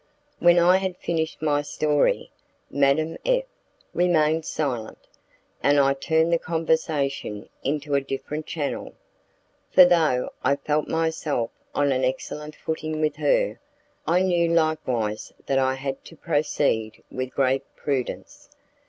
When I had finished my story, Madame F remained silent, and I turned the conversation into a different channel, for though I felt myself on an excellent footing with her, I knew likewise that I had to proceed with great prudence.